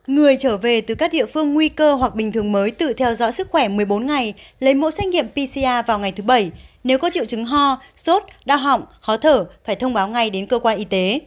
người trở về từ các địa phương nguy cơ hoặc bình thường mới tự theo dõi sức khỏe một mươi bốn ngày lấy mẫu xét nghiệm pcr vào ngày thứ bảy nếu có triệu chứng ho sốt đau họng khó thở phải thông báo ngay đến cơ quan y tế